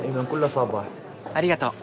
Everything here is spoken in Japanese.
ありがとう。